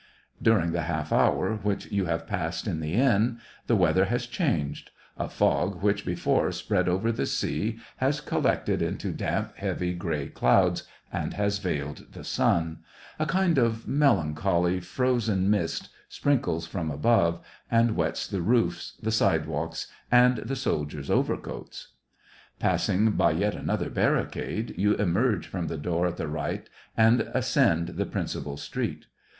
* During the half hour which you have passed in the inn, the weather has changed ; a fog which before spread over the sea has collected into damp, heavy, gray clouds, and has veiled the sun ; a kind of melancholy, frozen mist sprinkles from above, and wets the roofs, the sidewalks, and the soldiers' overcoats. Passing by yet another barricade, you emerge from the door at the right and ascend the principal street.